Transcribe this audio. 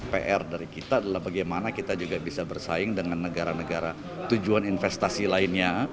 pr dari kita adalah bagaimana kita juga bisa bersaing dengan negara negara tujuan investasi lainnya